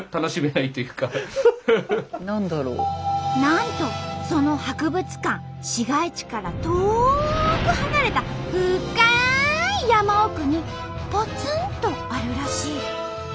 なんとその博物館市街地から遠く離れた深い山奥にポツンとあるらしい。